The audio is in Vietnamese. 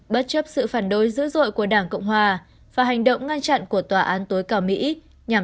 bất chấp sự phản đối dữ dội của đảng cộng hòa và hành động ngăn chặn của tòa án tối cao mỹ nhằm